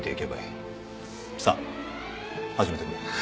さあ始めてくれ。